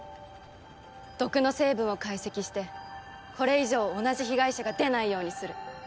毒の成分を解析してこれ以上同じ被害者が出ないようにする。